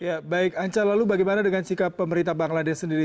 ya baik anca lalu bagaimana dengan sikap pemerintah bangladesh sendiri